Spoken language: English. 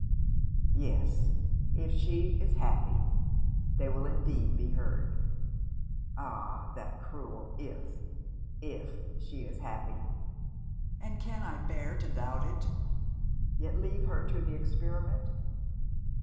'Yes if she is happy, they will indeed be heard! Ah! that cruel if if she is happy! and can I bear to doubt it, yet leave her to the experiment!'